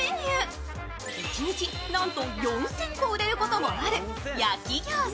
一日なんと４０００個売れることもある焼き餃子。